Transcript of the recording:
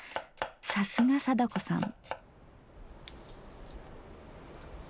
さすが貞子さん。